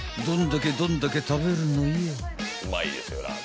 ［どんだけどんだけ食べるのよ？］